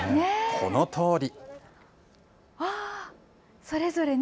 このとおり。